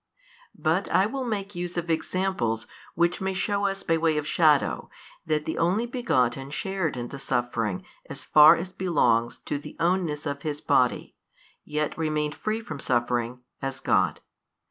But I will make use of examples which may shew us by way of shadow, that the Only Begotten shared in the suffering as far as belongs to the ownness of His Body, yet remained free from suffering, as God.